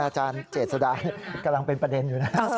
อาจารย์เจษดากำลังเป็นประเด็นอยู่นะ